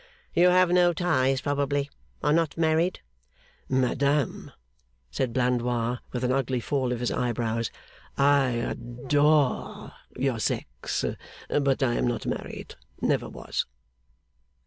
'You have no ties, probably. Are not married?' 'Madam,' said Mr Blandois, with an ugly fall of his eyebrows, 'I adore your sex, but I am not married never was.